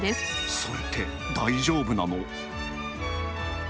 それって、大丈夫なの？